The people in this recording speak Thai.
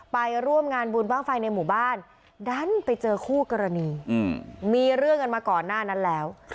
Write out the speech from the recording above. ไปร่วมงานบุญบ้างไฟในหมู่บ้านดันไปเจอคู่กรณีมีเรื่องกันมาก่อนหน้านั้นแล้ว